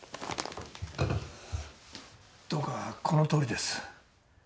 どうかこのとおりです。